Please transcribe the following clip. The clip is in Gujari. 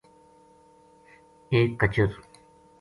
ایک کچر